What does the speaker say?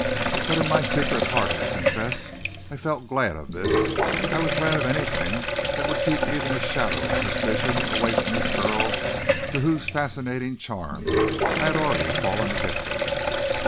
But in my secret heart, I confess, I felt glad of this. I was glad of anything that would keep even a shadow of suspicion away from this girl to whose fascinating charm I had already fallen a victim.